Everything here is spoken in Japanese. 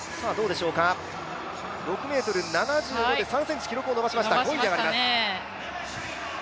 ６ｍ７５で３ｃｍ記録を伸ばしました、５位に上がります。